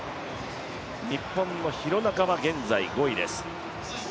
日本の廣中は現在５位です。